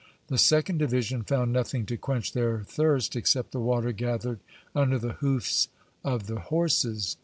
The second division found nothing to quench their thirst except the water gathered under the hoofs of the horses.